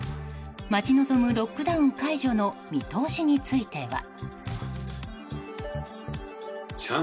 待ち望むロックダウン解除の見通しについては。